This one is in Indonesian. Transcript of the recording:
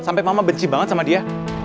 sampai mama benci banget sama dia